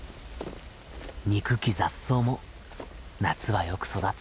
憎き雑草も夏はよく育つ。